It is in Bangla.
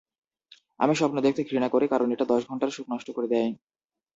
আমি স্বপ্ন দেখতে ঘৃণা করি কারণ এটা দশ ঘন্টার সুখ নষ্ট করে দেয়।